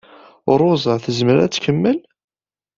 Ṛuza tezmer ad tkemmel?